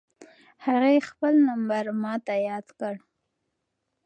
هغې خپل نمبر ماته یاد کړ.